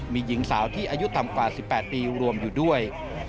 มีหญิงสาวที่อายุต่ำกว่า๑๘ปีรวมอยู่ด้วย